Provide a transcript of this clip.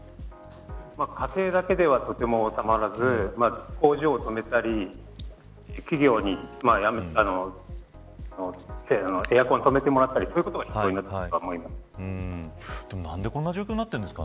家庭だけではとても収まらず工場を止めたり企業にエアコンを止めてもらったりそういうことが必要になると思います。